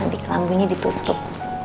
nanti kelamunya ditutup